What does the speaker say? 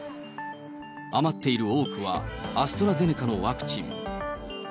余っている多くは、アストラゼネカのワクチン。